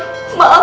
ya allah tong